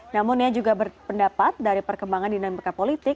namun ia juga berpendapat dari perkembangan dinamika politik